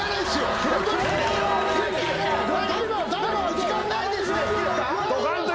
時間ないですって！